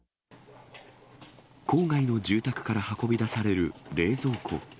郊外の住宅から運び出される冷蔵庫。